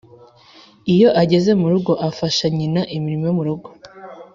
Iyo ageze mu rugo afasha nyina imirimo yo mu rugo